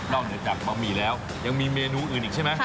เหนือจากบะหมี่แล้วยังมีเมนูอื่นอีกใช่ไหม